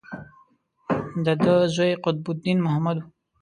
د ده زوی قطب الدین محمد و.